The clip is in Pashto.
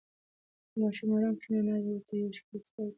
که ماشوم ارام کښېني، انا به ورته یوه ښکلې کیسه وکړي.